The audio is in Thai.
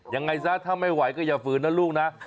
ยังไงซะถ้าไม่ไหวก็อย่าฝืนนะลูกนะ